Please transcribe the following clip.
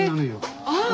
ああ！